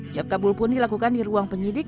jabkabul pun dilakukan di ruang penyidik